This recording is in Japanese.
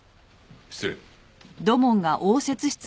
失礼。